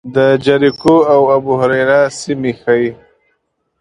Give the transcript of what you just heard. د جریکو او ابوهریره سیمې ښيي.